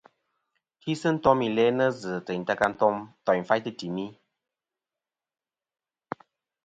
Tisi ntom i lænɨ zɨ teyn ta ka ntoỳnfaytɨ timi.